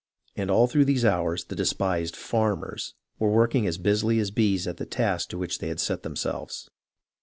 And all through these hours the despised "farmers" were work ing as busily as bees at the task to which they had set themselves.